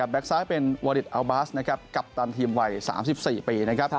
แบ็กซ้ายเป็นวาลิทอัลบาสกัปตันทีมวัย๓๔ปี